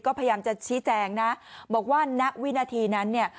ก็พยายามจะชี้แจงนะบอกว่าณวินาทีนั้นเนี่ย